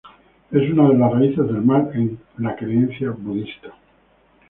Es una de las raíces de mal, en la creencia budista.